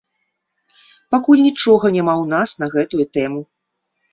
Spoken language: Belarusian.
Пакуль нічога няма ў нас на гэтую тэму.